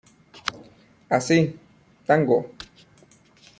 Así, "¡Tango!